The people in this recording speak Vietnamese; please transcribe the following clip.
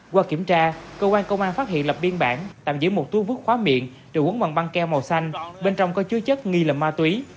qua kiểm tra cơ quan công an phát hiện lập biên bản tạm giữ một túi vứt khóa miệng được uống bằng băng keo màu xanh bên trong có chứa chất nghi là ma túy